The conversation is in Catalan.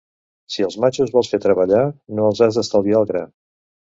Si els matxos vols fer treballar, no els has d'estalviar el gra.